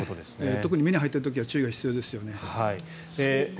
特に目に入っている時は注意が必要ですよね。